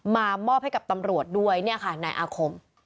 มอบให้กับตำรวจด้วยเนี่ยค่ะนายอาคม